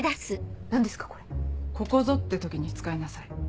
ここぞって時に使いなさい。